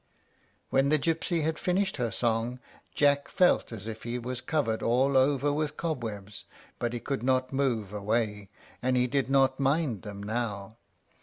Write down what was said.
When the gypsy had finished her song, Jack felt as if he was covered all over with cobwebs; but he could not move away, and he did not mind them now.